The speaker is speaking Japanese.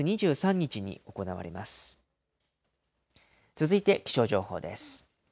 続いて気象情報です。